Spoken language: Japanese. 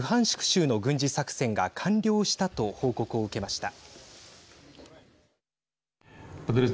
州の軍事作戦が完了したと報告を受けました。